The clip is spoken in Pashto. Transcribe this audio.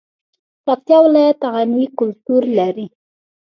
پکتیا ولایت غني کلتور لري